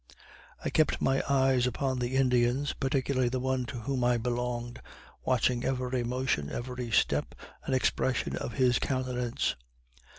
I kept my eyes upon the Indians, particularly the one to whom I belonged, watching every motion, every step, and expression of his countenance.